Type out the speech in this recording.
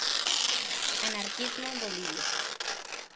Anarquismo en Bolivia